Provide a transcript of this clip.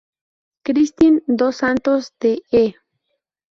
Kristin dos Santos de "E!